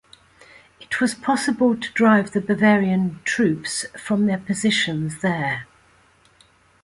It was possible to drive the Bavarian troops from their positions there.